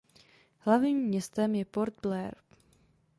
Hlavním městem je Port Blair.